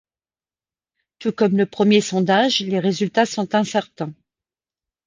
Tout comme le premier sondage, les résultats sont incertains.